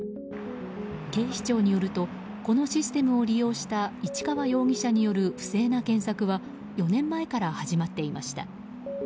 警視庁によると、このシステムを利用した市川容疑者による不正な検索は４年前から始まっていました。